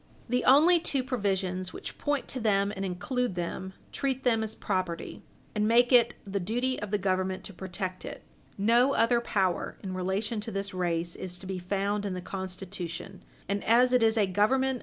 The only two provisions which point to them and include them treat them as property and make it the duty of the Government to protect it; no other power, in relation to this race, is to be found in the Constitution; and as it is a Government Page 60 U.